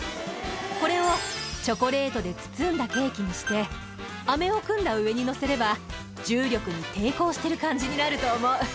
これをチョコレートで包んだケーキにしてアメを組んだ上にのせれば重力に抵抗してる感じになると思う。